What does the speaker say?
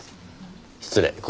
失礼。